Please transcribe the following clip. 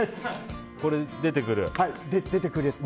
これ、出てくるやつ？